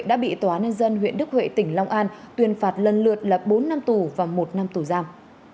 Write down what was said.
đã bị tòa nhân dân huyện đức huệ tỉnh long an tuyên phạt lần lượt là bốn năm tù và một năm tù giam